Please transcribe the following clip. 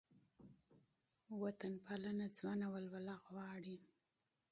حماسي سبک ځوانه ولوله غواړي.